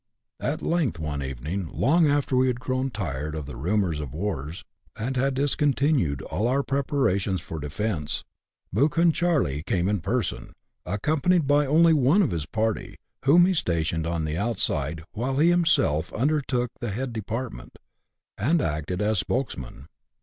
At length, one evening, long after we had grown tired of the rumours of wars, and had discontinued all our preparations for defence, " Buchan Charley" came in person, accompanied by only one of his party, whom he stationed on the outside, while he himself undertook the head department, and acted as spokes man.